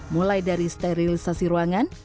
mulai dari sterilisasi ruangan